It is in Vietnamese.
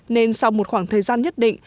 nên sau một khoảng thời gian nhất định